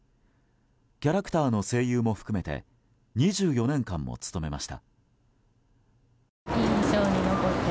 キャラクターの声優も含めて２４年間も務めました。